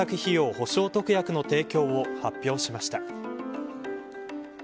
補償特約の提供を発表しました。